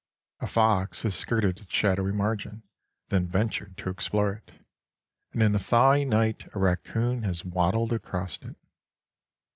A fox has skirted its shadowy margin, then ventured to explore it, and in a thawy night a raccoon has waddled across it.